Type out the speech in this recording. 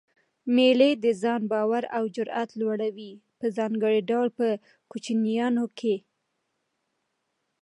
مېلې د ځان باور او جرئت لوړوي؛ په ځانګړي ډول په کوچنيانو کښي.